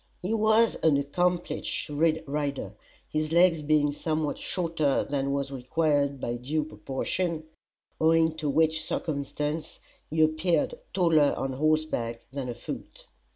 He was an accomplished rider, his legs being somewhat shorter than was required by due proportion, owing to which circumstance he appeared taller on horseback than afoot.